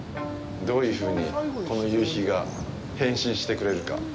どういうふうにこの夕日が変身してくれるか。